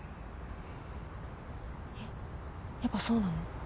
えっやっぱそうなの？